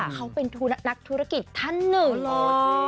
เขาเป็นนักธุรกิจท่านหนึ่งเลย